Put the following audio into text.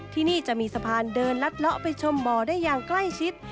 ที่นี่จะมีสะพานเดินลัดเลาะไปชมบ่อได้อย่างใกล้ชิด